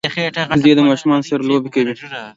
وزې د ماشومانو سره لوبې کوي